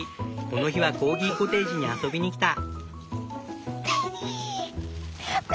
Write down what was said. この日はコーギコテージに遊びに来た。